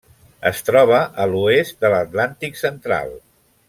Es troba a l'oest de l'Atlàntic central: